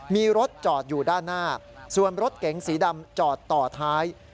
มีรถจอดอยู่ด้านหน้าส่วนรถเก๋งสีดำจอดต่อท้าย